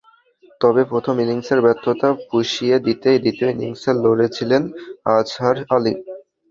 তবে প্রথম ইনিংসের ব্যর্থতা পুষিয়ে দিতে দ্বিতীয় ইনিংসে লড়েছিলেন আজহার আলী।